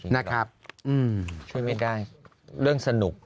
นะครับช่วยไม่ได้เรื่องสนุก